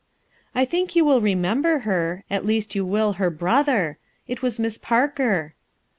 "I think you will remember her; at least you will, her brother. It was Miss Parker."